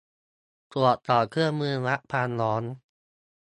ตรวจสอบเครื่องมือวัดความร้อน